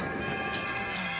ちょっとこちらに。